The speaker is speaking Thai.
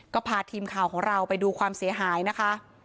ก็พาทีมข่าวของเราไปดูความเสียหายนะคะ